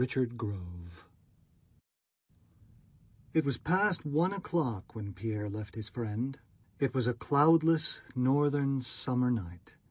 CHAPTER IX It was past one o'clock when Pierre left his friend. It was a cloudless, northern, summer night.